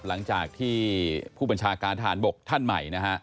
หลังจากที่ผู้บัญชาการทหารบกท่านใหม่นะฮะ